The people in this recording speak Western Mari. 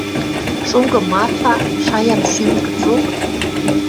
Шонгы Марфа, шаям шӱм гӹцок: